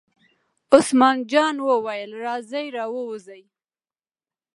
عثمان جان وویل: راځئ را ووځئ.